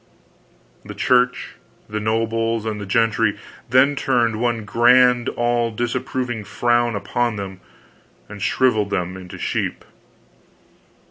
The Church, the nobles, and the gentry then turned one grand, all disapproving frown upon them and shriveled them into sheep!